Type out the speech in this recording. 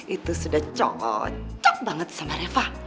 itu sudah cocok banget sama reva